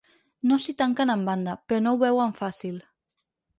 No s’hi tanquen en banda, però no ho veuen fàcil.